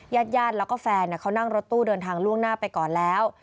ญาติญาติแล้วก็แฟนเขานั่งรถตู้เดินทางล่วงหน้าไปก่อนแล้ว